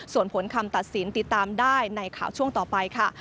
ส่วนผลคำตัดสินติดตามได้ในข่าวช่วงต่อไปค่ะ